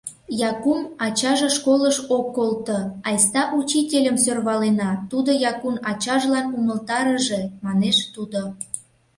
— Якум ачаже школыш ок колто, айста учительым сӧрвалена, тудо Якун ачажлан умылтарыже, — манеш тудо.